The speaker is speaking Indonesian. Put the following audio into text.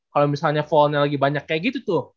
kalau misalnya fall nya lagi banyak kayak gitu tuh